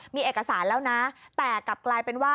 มีเอกสารแล้วนะแต่กลับกลายเป็นว่า